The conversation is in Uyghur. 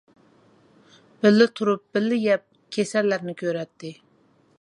بىللە تۇرۇپ بىللە يەپ، كېسەللەرنى كۆرەتتى.